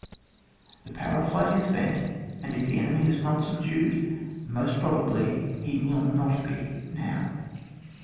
The power of flight is spent, and if the enemy is not subdued, most probably he will not be now.